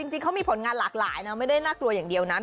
จริงเขามีผลงานหลากหลายนะไม่ได้น่ากลัวอย่างเดียวนะ